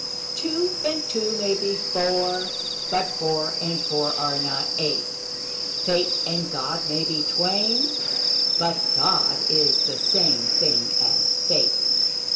Two and two may be four: but four and four are not eight: Fate and God may be twain: but God is the same thing as fate.